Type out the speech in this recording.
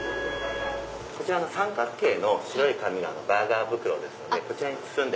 こちらの三角形の白い紙がバーガー袋ですのでこちらに包んで。